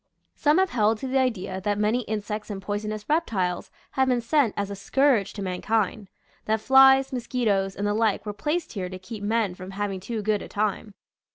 Some have held to the idea that many insects and poisonous reptiles have been sent as a scourge to mankind ; that flies, mos quitoes, and the like were placed here to keep men from having too good a time.